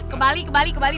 ke bali ke bali ke bali